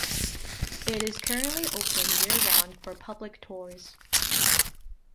It is currently open year-round for public tours.